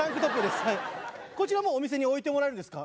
こちらもうお店に置いてもらえるんですか？